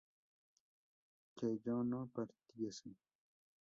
que yo no partiese